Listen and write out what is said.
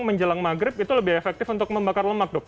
menjelang maghrib itu lebih efektif untuk membakar lemak dok